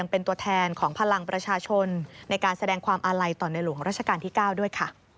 เป็นตัวแทนของพลังประชาชนในการแสดงความอาลัยต่อในหลวงราชการที่๙ด้วยค่ะ